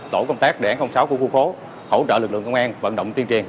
tổ công tác để sáu khu khu khố hỗ trợ lực lượng công an vận động tiên triền